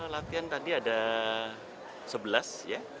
latihan tadi ada sebelas ya